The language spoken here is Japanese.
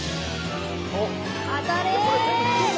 当たれー！